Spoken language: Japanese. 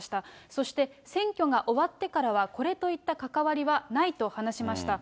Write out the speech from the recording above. そして選挙が終わってからは、これといった関わりはないと話しました。